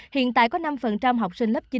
hiện tại có năm học sinh lớp chín